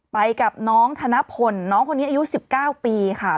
ไปกับน้องธนพลน้องคนนี้อายุ๑๙ปีค่ะ